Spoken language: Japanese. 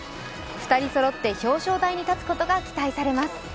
２人そろって表彰台に立つことが期待されます。